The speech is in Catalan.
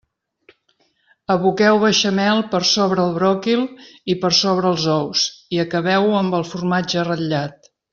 Aboqueu beixamel per sobre el bròquil i per sobre els ous, i acabeu-ho amb el formatge ratllat.